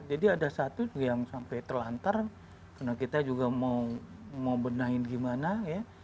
jadi ada satu yang sampai terlantar karena kita juga mau benahin gimana ya